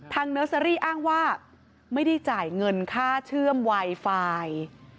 เนอร์เซอรี่อ้างว่าไม่ได้จ่ายเงินค่าเชื่อมไวไฟ